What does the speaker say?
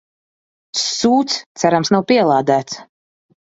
Sūds, cerams nav pielādēts.